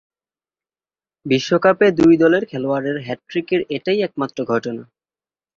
বিশ্বকাপে দুই দলের খেলোয়াড়ের হ্যাটট্রিকের এটাই একমাত্র ঘটনা।